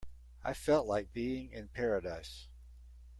I felt like being in paradise.